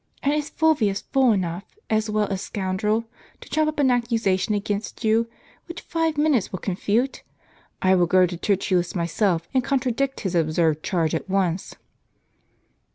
"And is Fulvius fool enough, as well as scoundrel, to trump up an accusation against you, which five minutes will confute? I will go to TertuUus myself, and contradict his absurd charge at once."